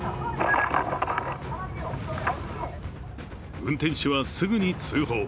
運転手はすぐに通報。